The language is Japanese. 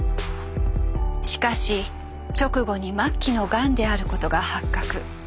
しかし直後に末期のガンであることが発覚。